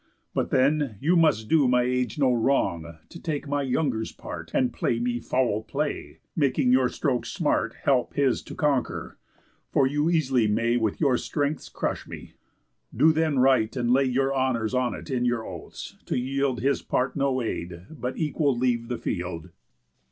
But then, you must do My age no wrong, to take my younger's part, And play me foul play, making your strokes' smart Help his to conquer; for you eas'ly may With your strengths crush me. Do then right, and lay Your honours on it in your oaths, to yield His part no aid, but equal leave the field."